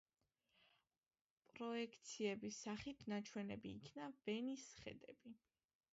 პროექციების სახით ნაჩვენები იქნა ვენის ხედები.